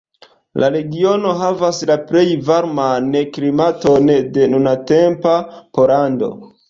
La regiono havas la plej varman klimaton de nuntempa Pollando.